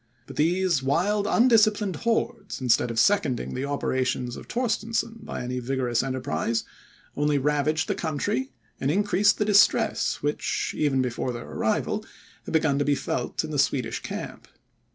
But these wild undisciplined hordes, instead of seconding the operations of Torstensohn by any vigorous enterprise, only ravaged the country, and increased the distress which, even before their arrival, had begun to be felt in the Swedish camp.